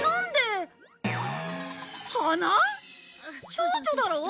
チョウチョだろう？